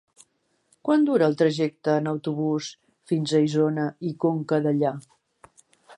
Quant dura el trajecte en autobús fins a Isona i Conca Dellà?